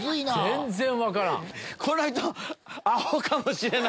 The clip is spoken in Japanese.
全然分からん。